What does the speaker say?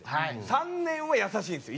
３年は優しいんですよ